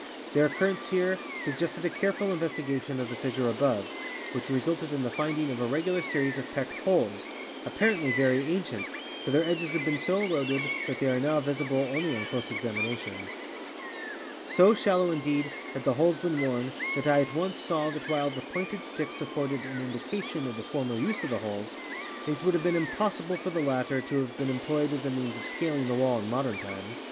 Their occurrence here suggested a careful investigation of the fissure above, which re sulted in the finding of a regular series of pecked holes, appar. ently very ancient, for their edges had been so eroded that they are now visible only on close examination. So shallow, indeed, had the holes been worn that I at once saw that while the pointed sticks afforded an indication of the former use of the holes, it would have been impossible for the latter to have been employed as a means of scaling the wall in modern times.